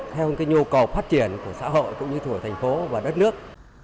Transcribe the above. theo cái nhu cầu phát triển của xã hội cũng như thuộc thành phố và đất nước